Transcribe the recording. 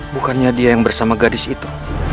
bukannya dia yang bersama gadis itu